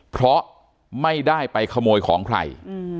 เพราะไม่ได้ไปขโมยของใคร